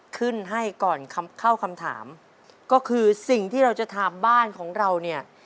ขึ้นให้ก่อนคำเข้าคำถามก็คือสิ่งที่เราจะถามบ้านของเราเนี่ย